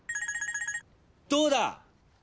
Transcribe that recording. どうだ！？